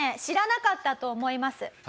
知らなかったと思います。